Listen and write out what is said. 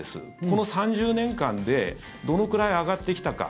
この３０年間でどのくらい上がってきたか。